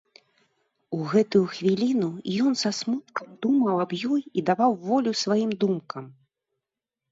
У гэтую хвіліну ён са смуткам думаў аб ёй і даваў волю сваім думкам.